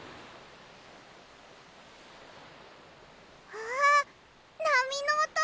ああなみのおと！